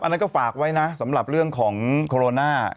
นั่นก็ฝากไว้นะสำหรับเรื่องของโคโรนา